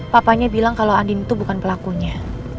papanya bilang kalau andin itu bukan pelakunya